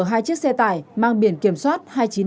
hai chiếc xe tải mang biển kiểm soát